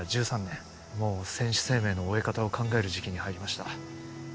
１３年もう選手生命の終え方を考える時期に入りました